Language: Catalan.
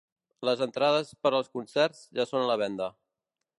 Les entrades per als concerts ja són a la venda.